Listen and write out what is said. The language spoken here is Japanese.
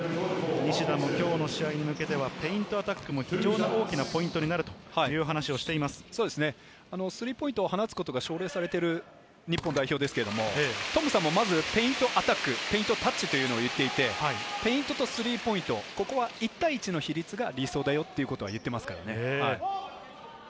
西田の今日の試合に向けては、フェイントアタックも非常に大きなポイントになるという話スリーポイントを放つことが証明されている日本代表ですけど、田臥さんもまずフェイントアタック、フェイントタッチと言っていて、フェイントとスリーポイント、ここは１対１の比率が理想だよと言っていますから。